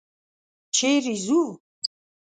چېرې ځو؟